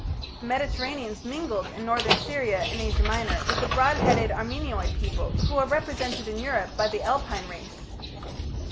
The Mediterraneans mingled in Northern Syria and Asia Minor with the broad headed Armenoid peoples who are represented in Europe by the Alpine race.